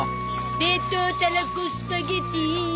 「冷凍たらこスパゲティ